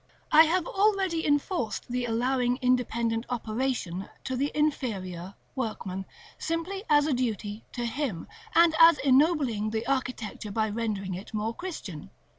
I have already enforced the allowing independent operation to the inferior workman, simply as a duty to him, and as ennobling the architecture by rendering it more Christian.